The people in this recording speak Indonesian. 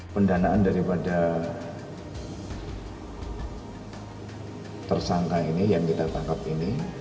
pendanaan daripada tersangka ini yang kita tangkap ini